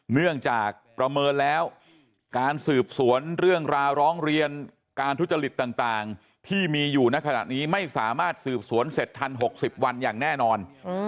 เนื่องจากประเมินแล้วการสืบสวนเรื่องราวร้องเรียนการทุจริตต่างที่มีอยู่ในขณะนี้ไม่สามารถสืบสวนเสร็จทัน๖๐วันอย่างแน่นอน